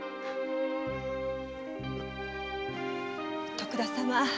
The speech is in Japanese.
徳田様。